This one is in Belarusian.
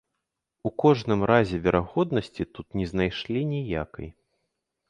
У кожным разе верагоднасці тут не знайшлі ніякай.